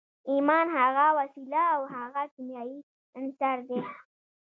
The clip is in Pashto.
ايمان هغه وسيله او هغه کيمياوي عنصر دی.